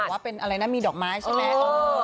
ฉันก็บอกว่ามีดอกไม้ใช่ไหม